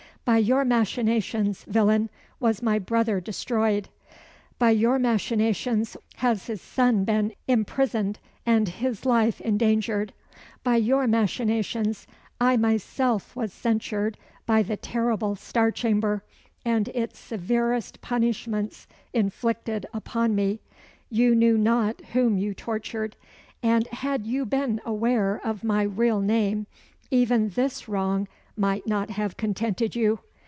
By your machinations, villain, was my brother destroyed by your machinations has his son been imprisoned, and his life endangered by your machinations I myself was censured by the terrible Star Chamber, and its severest punishments inflicted upon me. You knew not whom you tortured; and had you been aware of my real name, even this wrong might not have contented you.